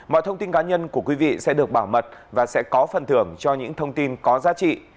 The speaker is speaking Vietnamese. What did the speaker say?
mọi thông tin cá nhân của quý vị sẽ được bảo mật và sẽ có phần thưởng cho những thông tin có giá trị